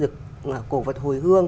cổ vật hồi hương